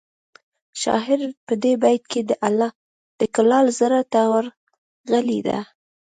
شاعر په دې بیت کې د کلال زړه ته ورغلی دی